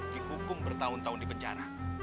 dihukum bertahun tahun di penjara